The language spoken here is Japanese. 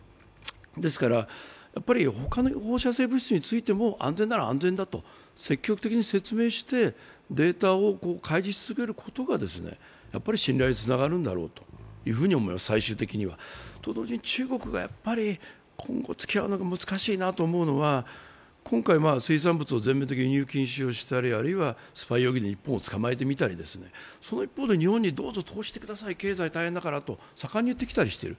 ですから、ほかの放射性物質についても安全なら安全と積極的に説明して、データの開示を進めることが信頼につながるんだろうと思います、最終的には。と同時に中国が今後つきあうのが難しいなと思うのは、今回、水産物を全面的に輸入禁止にしたり、あるいはスパイ容疑で日本人を捕まえてみたりその一方で日本にどうぞ、経済大変だからとさかんに言ってきている。